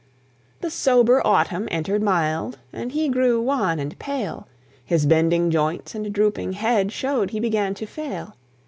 The sober autumn entered mild, And he grew wan and pale; His bending joints and drooping head Showed he began to fail.